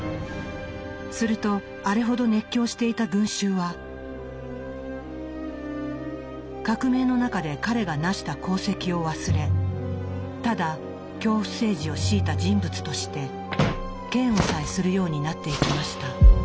するとあれほど熱狂していた群衆は革命の中で彼がなした功績を忘れただ恐怖政治をしいた人物として嫌悪さえするようになっていきました。